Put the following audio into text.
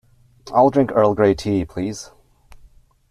I'll drink Earl Grey tea please.